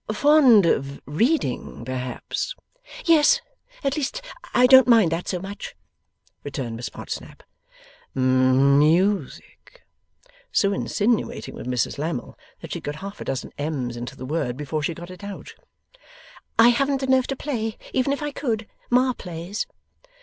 'Fond of reading perhaps?' 'Yes. At least I don't mind that so much,' returned Miss Podsnap. 'M m m m music.' So insinuating was Mrs Lammle that she got half a dozen ms into the word before she got it out. 'I haven't nerve to play even if I could. Ma plays.